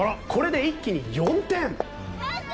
これで一気に４点。